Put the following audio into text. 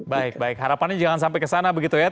baik baik harapannya jangan sampai ke sana begitu ya